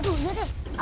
aduh ya deh